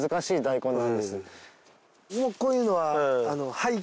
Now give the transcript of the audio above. もうこういうのは廃棄。